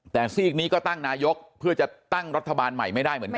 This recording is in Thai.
แต่ซีกนี้ก็ตั้งนายกเพื่อจะตั้งรัฐบาลใหม่ไม่ได้เหมือนกัน